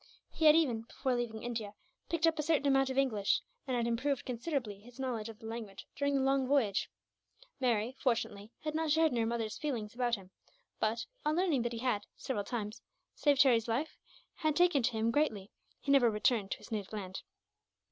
He had even, before leaving India, picked up a certain amount of English; and had improved considerably his knowledge of the language during the long voyage. Mary, fortunately, had not shared in her mother's feelings about him but, on learning that he had, several times, saved Harry's life, had taken to him greatly. He never returned to his native land.